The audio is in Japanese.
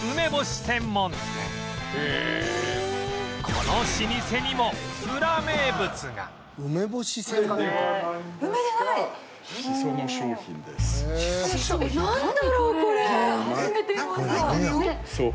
この老舗にもウラ名物がなんだろう？